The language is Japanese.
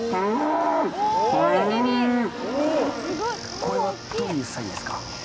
これはどういうサインですか。